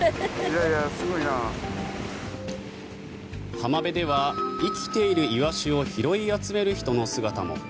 浜辺では生きているイワシを拾い集める人の姿も。